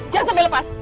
jangan sampai lepas